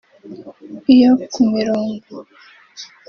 Iyo ku mirongo